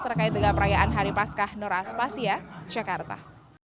pada perayaan hari pascah noras pasia jakarta